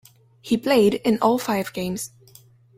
He played in all five games.